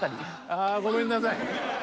ああごめんなさい。